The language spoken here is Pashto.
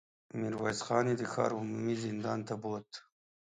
ميرويس خان يې د ښار عمومي زندان ته بوت.